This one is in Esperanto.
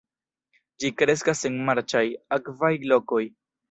Ĝi kreskas en marĉaj, akvaj lokoj.